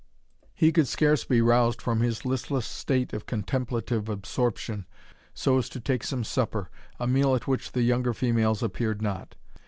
He could scarce be roused from his listless state of contemplative absorption so as to take some supper, a meal at which the younger females appeared not.